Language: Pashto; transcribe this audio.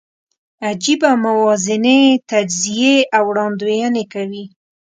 عجېبه موازنې، تجزیې او وړاندوینې کوي.